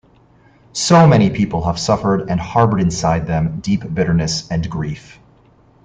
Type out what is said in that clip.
So many people have suffered and harbored inside them deep bitterness and grief.